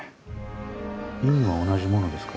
印は同じものですか？